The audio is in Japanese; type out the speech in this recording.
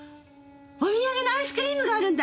お土産のアイスクリームがあるんだ！